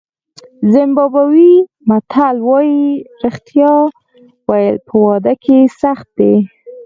د زیمبابوې متل وایي رښتیا ویل په واده کې سخت دي.